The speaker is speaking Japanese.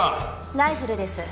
ライフルです。